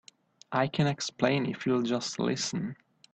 I can explain if you'll just listen.